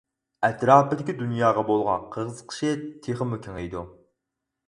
ئەتراپىدىكى دۇنياغا بولغان قىزىقىشى تېخىمۇ كېڭىيىدۇ.